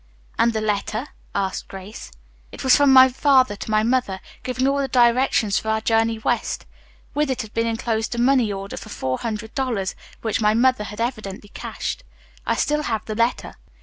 "And the letter?" asked Grace. "It was from my father to my mother, giving all the directions for our journey west. With it had been enclosed a money order for four hundred dollars, which my mother had evidently cashed. I still have the letter.